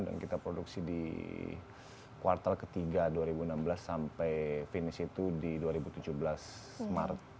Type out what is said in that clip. kita produksi di kuartal ketiga dua ribu enam belas sampai finish itu di dua ribu tujuh belas maret